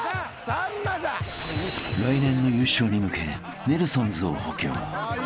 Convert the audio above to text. ［来年の優勝に向けネルソンズを補強］